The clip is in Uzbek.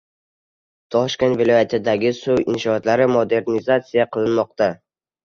Toshkent viloyatidagi suv inshootlari modernizatsiya qilinmoqda